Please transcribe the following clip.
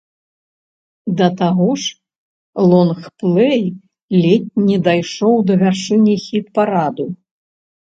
Да таго ж лонгплэй ледзь не дайшоў да вяршыні хіт-параду.